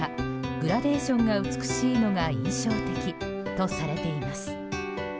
グラデーションが美しいのが印象的とされています。